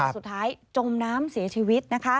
สุดท้ายจมน้ำเสียชีวิต